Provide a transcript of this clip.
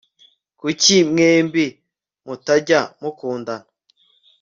Kuki mwembi mutajya mukundana